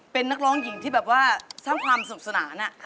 เป็นนักร้องหญิงที่แบบว่าสร้างความสุขสนาน